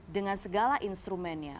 dengan segala instrumennya